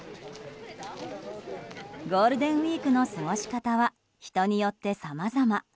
ゴールデンウィークの過ごし方は人によってさまざま。